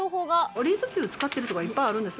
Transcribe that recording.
オリーブ牛を使ってるとこがいっぱいあるんです。